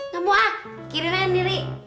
gak mau ah kirain aja sendiri